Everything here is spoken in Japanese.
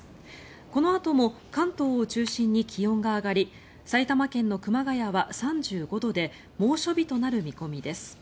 このあとも関東を中心に気温が上がり埼玉県の熊谷は３５度で猛暑日となる見込みです。